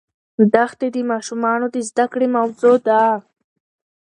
دښتې د ماشومانو د زده کړې موضوع ده.